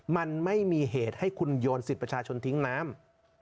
มันไม่มีเหตุให้คุณโยนสิทธิ์ประชาชนทิ้งน้ำ